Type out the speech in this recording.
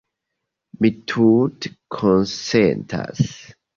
Mi tute konsentas.